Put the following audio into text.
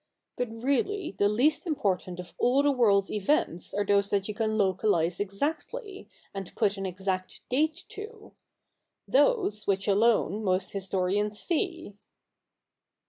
But really the least important of all the world's events are those that you can localise exactly, and put an exact date to ; those which alone most historians see.'